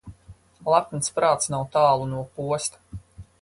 Lepns prāts nav tālu no posta.